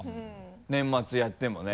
年末やってもね。